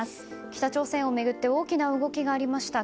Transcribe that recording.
北朝鮮を巡って大きな動きがありました。